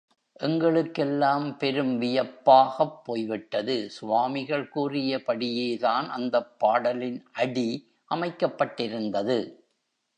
எங்களுக்கெல்லாம் பெரும் வியப்பாகப் போய்விட்டது, சுவாமிகள் கூறியபடியேதான் அந்தப் பாடலின் அடி அமைக்கப்பட்டிருந்தது.